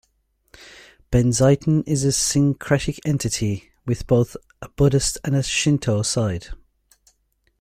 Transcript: Benzaiten is a syncretic entity with both a Buddhist and a Shinto side.